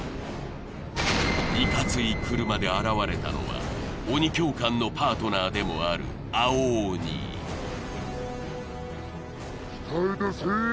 いかつい車で現れたのは鬼教官のパートナーでもある青鬼何！？